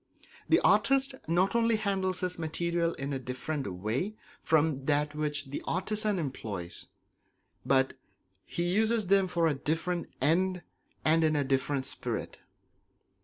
The artist not only handles his materials in a different way from that which the artisan employs, but he uses them for a different end and in a different spirit.